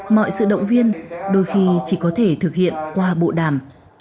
mọi sự động viên đôi khi chỉ có thể thực hiện qua bộ đàm